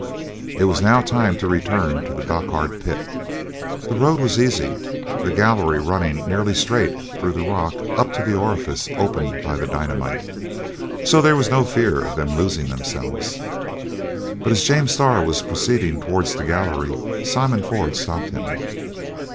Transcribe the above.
It was now time to return to the Dochart pit. The road was easy, the gallery running nearly straight through the rock up to the orifice opened by the dynamite, so there was no fear of their losing themselves. But as James Starr was proceeding towards the gallery Simon Ford stopped him.